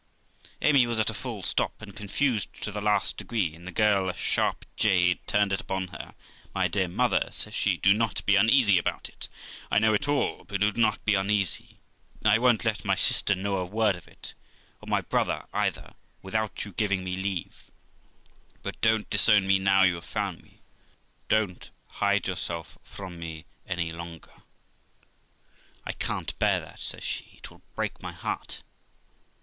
Amy was at a full stop, and confused to the last degree; and the girl, a sharp jade, turned it upon her. 'My dear mother', says she, 'do not be uneasy about it; I know it all; but do not be uneasy, I won't let my sister know a word of it, or my brother either, without you giving me leave ; but don't disown me now you have found me ; don't hide yourself from me any longer; I can't bear that', gays she, 'it will break my heart.'